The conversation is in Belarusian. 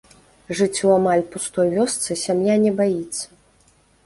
Жыць у амаль пустой вёсцы сям'я не баіцца.